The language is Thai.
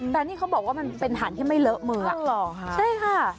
แต่นี่เขาบอกว่ามันเป็นฐานที่ไม่เลอะมือใช่ค่ะ